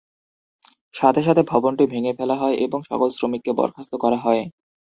সাথে সাথে ভবনটি ভেঙ্গে ফেলা হয় এবং সকল শ্রমিককে বরখাস্ত করা হয়।